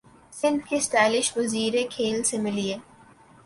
سندھ کے اسٹائلش وزیر کھیل سے ملیے